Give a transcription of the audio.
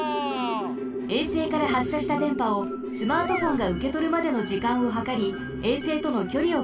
衛星からはっしゃしたでんぱをスマートフォンがうけとるまでのじかんをはかり衛星とのきょりをけいさんします。